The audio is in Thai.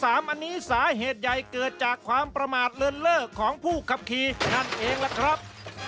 อันนี้สาเหตุใหญ่เกิดจากความประมาทเลินเลิกของผู้ขับขี่นั่นเองล่ะครับ